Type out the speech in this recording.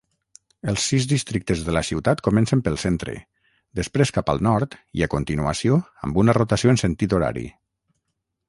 Els sis districtes de la ciutat comencen pel centre, després cap al nord i a continuació amb una rotació en sentit horari.